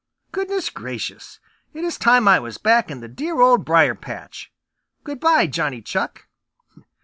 Goodness gracious, it is time I was back in the dear Old Briar patch! Good by, Johnny Chuck."